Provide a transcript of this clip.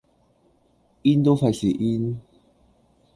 in 都費事 in